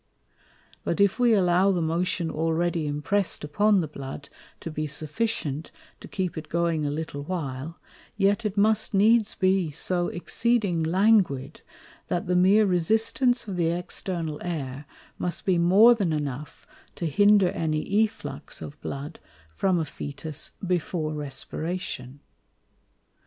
But if we allow the motion already impress'd upon the Blood to be sufficient to keep it going a little while; yet it must needs be so exceeding languid, that the meer resistance of the External Air must be more than enough to hinder any Efflux of Blood from a Fœtus before Respiration.